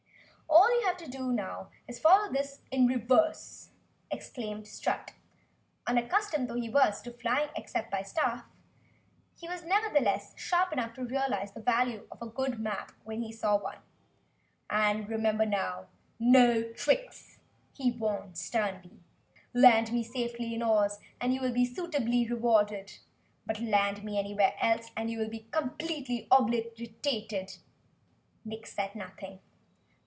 "All you have to do is follow this in reverse," exclaimed Strut. Unaccustomed as he was to flying except by staff, he was nevertheless sharp enough to realize the value of a good map when he saw one. "And remember now no tricks!" he warned, sternly. "Land me safely in Ohs and you will be suitably rewarded. But land me anywhere else and you will be completely obliterated!" Nick said nothing.